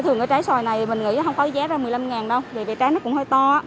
thường cái trái xoài này mình nghĩ không có giá ra một mươi năm đồng vì trái nó cũng hơi to